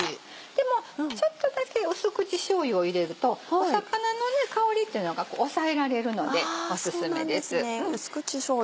でもちょっとだけ淡口しょうゆを入れると魚の香りっていうのが抑えられるのでオススメです。